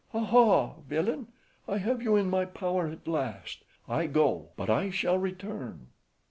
"Ah—ha! Villain! I have you in me power at last. I go; but I shall return!"